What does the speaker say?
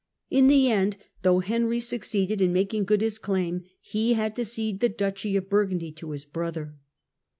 In the end, though Henry succeeded in making good his claim, he had to cede the duchy of Burgundy to his brother.